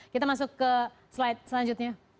kita masuk ke slide selanjutnya